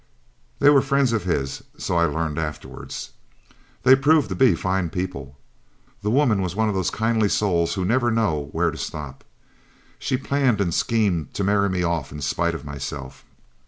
They were friends of his, so I learned afterwards. They proved to be fine people. The woman was one of those kindly souls who never know where to stop. She planned and schemed to marry me off in spite of myself.